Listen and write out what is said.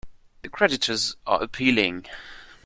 The creditors are appealing.